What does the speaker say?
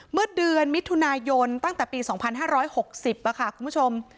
เมื่อเดือนมิถุนายนตั้งแต่ปีสองพันห้าร้อยหกสิบอะค่ะคุณผู้ชม